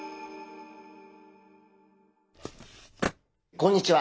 こんにちは。